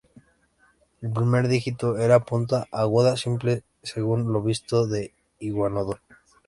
El primer dígito era una punta agudo simple, según lo visto en "Iguanodon".